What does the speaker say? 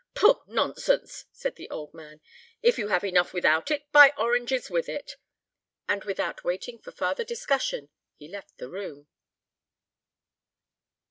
"Pooh! nonsense," said the old man; "if you have enough without it, buy oranges with it." And without waiting for farther discussion, he left the room.